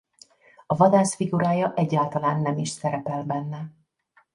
A vadász figurája egyáltalán nem is szerepel benne.